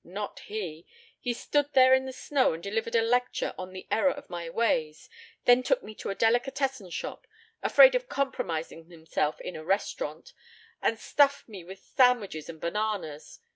Not he. He stood there in the snow and delivered a lecture on the error of my ways, then took me to a delicatessen shop afraid of compromising himself in a restaurant and stuffed me with sandwiches and bananas.